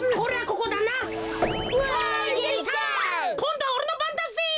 こんどはおれのばんだぜ。